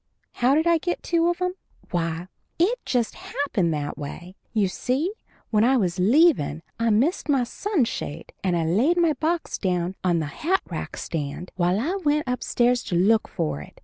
How did I get two of 'em? Why, it just happened that way. You see, when I was leavin' I missed my sun shade and I laid my box down on the hatrack stand while I went upstairs to look for it.